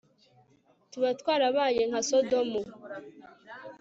tuba twarabaye nka sodomu